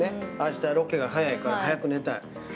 あしたロケが早いから早く寝たい。